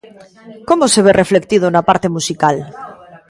Como se ve reflectido na parte musical?